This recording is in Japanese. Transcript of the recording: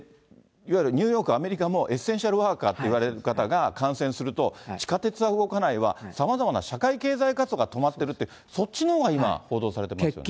いわゆるニューヨーク、アメリカもエッセンシャルワーカーといわれる方が感染すると、地下鉄は動かないわ、さまざまな社会経済活動が止まってるって、そっちのほうが今、報道されてますよね。